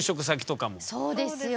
そうですよ。